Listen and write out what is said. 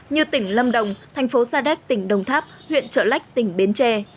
như tỉnh lâm đồng thành phố sa đách tỉnh đồng tháp huyện trở lách tỉnh bến tre